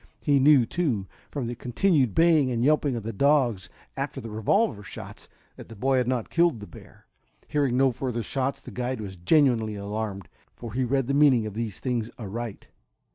He knew, too, from the continued baying and yelping of the dogs, after the revolver shots, that the boy had not killed the bear. Hearing no further shots the guide was genuinely alarmed, for he read the meaning of these things aright.